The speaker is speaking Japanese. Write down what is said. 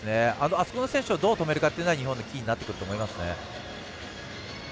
あそこの選手をどう止めるかというのがキーになってくると思います。